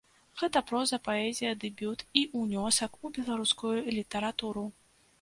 Гэта проза, паэзія, дэбют і ўнёсак у беларускую літаратуру.